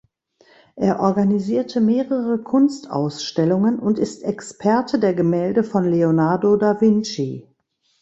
Er organisierte mehrere Kunstausstellungen und ist Experte der Gemälde von Leonardo da Vinci.